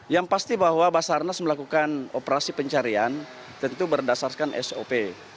yang pasti bahwa basarnas melakukan operasi pencarian tentu berdasarkan sop